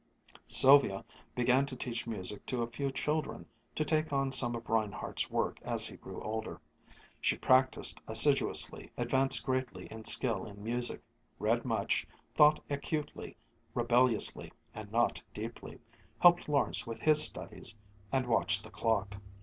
Sylvia began to teach music to a few children, to take on some of Reinhardt's work as he grew older. She practised assiduously, advanced greatly in skill in music, read much, thought acutely, rebelliously and not deeply, helped Lawrence with his studies ... and watched the clock.